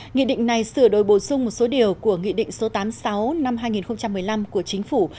nghị định này sửa đổi bổ sung một số điều của nghị định số tám mươi sáu năm hai nghìn một mươi năm của chính phủ